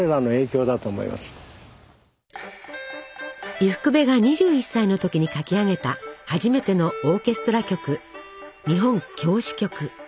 伊福部が２１歳の時に書き上げた初めてのオーケストラ曲「日本狂詩曲」。